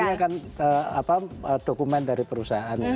ini kan sebetulnya dokumen dari perusahaan